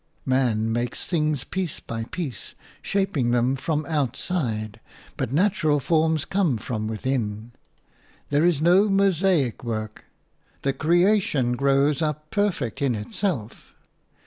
Man makes things piece by piece, shaping them from outside, but natural forms come from within; there is no mosaic work; the creation grows up perfect in itself.